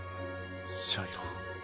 シャイロ。